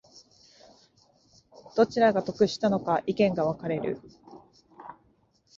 どちらが得したのか意見が分かれる